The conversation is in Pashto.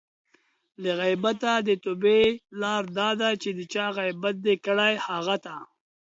له غیبته د توبې لاره دا ده چې د چا غیبت دې کړی؛ هغه ته